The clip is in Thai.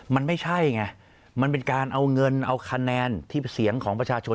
มันไม่ใช่ไงมันเป็นการเอาเงินเอาคะแนนที่เสียงของประชาชน